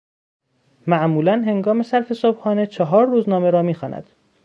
معمولا هنگام صرف صبحانه چهار روزنامه را میخواند